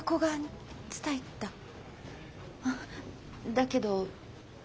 だけど。